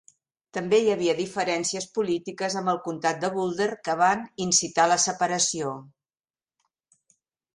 També hi havia diferències polítiques amb el comtat de Boulder, que van incitar la separació.